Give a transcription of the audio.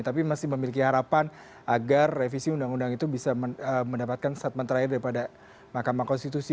tapi masih memiliki harapan agar revisi undang undang itu bisa mendapatkan statement terakhir daripada mahkamah konstitusi